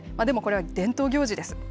でもこれは伝統行事です。